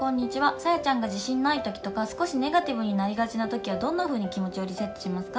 さやちゃんが自信のないときとか、少しネガティブになりがちなときは、どんなふうに気持ちをリセットしますか。